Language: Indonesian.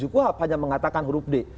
kuhab hanya mengatakan huruf d